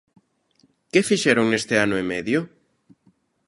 ¿Que fixeron neste ano e medio?